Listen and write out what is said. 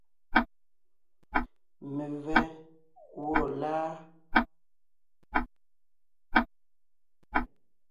Mevɛ́ gwɔ́ láa?